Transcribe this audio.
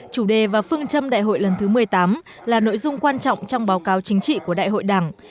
chủ đề và phương châm đại hội lần thứ một mươi tám là nội dung quan trọng trong báo cáo chính trị của đại hội đảng